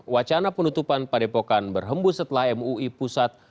wacana penutupan padepokan berhembus setelah mui pusat